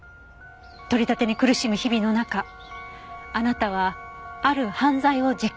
取り立てに苦しむ日々の中あなたはある犯罪を実行した。